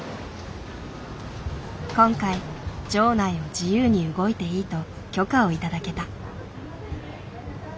今回場内を自由に動いていいと許可を頂けた。